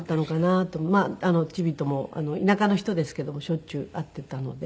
まあチビとも田舎の人ですけどもしょっちゅう会っていたので。